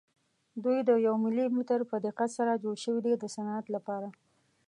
دوی د یو ملي متر په دقت سره جوړ شوي دي د صنعت لپاره.